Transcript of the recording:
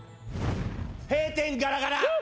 閉店ガラガラ。